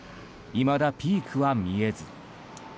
いまだピークは見えず。